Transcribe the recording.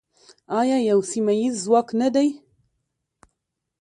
آیا یو سیمه ییز ځواک نه دی؟